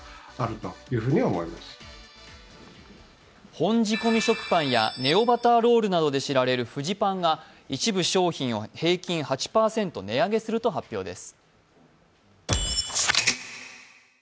本仕込食パンやネオバターロールで知られるフジパンが一部商品を平均８％値上げすると発表です。